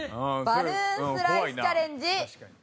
バルーンスライスチャレンジスタート！